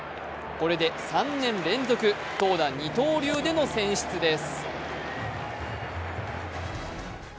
これで３年連続、投打二刀流での選出です。